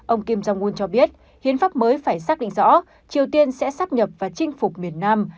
ông kim jong un cho biết hiến pháp mới phải xác định rõ triều tiên sẽ sắp nhập và chinh phục miền nam